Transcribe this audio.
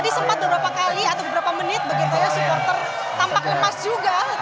tadi sempat beberapa kali atau beberapa menit begitu ya supporter tampak lemas juga